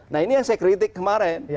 nah ini yang saya kritik kemarin